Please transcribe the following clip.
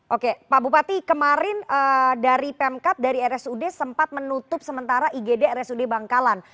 oke pak bupati kemarin dari pemkap dari rsud sempat menutup sementara igd rsud bangkalan